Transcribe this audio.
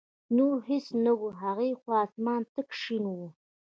نور هېڅ نه و، هغې خوا اسمان تک شین و.